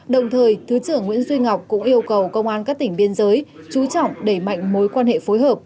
đồng thời thứ trưởng nguyễn duy ngọc cũng yêu cầu công an các tỉnh biên giới chú trọng đẩy mạnh mối quan hệ phối hợp